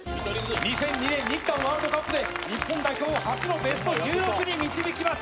２００２年日韓ワールドカップで日本初の初のベスト１６に導きました。